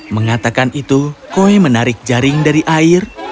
mengatakan itu koi menarik jaring dari air